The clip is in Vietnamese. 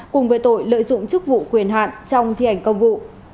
cùng với tội lợi dụng chức vụ quyền hạn trong thi hành công vụ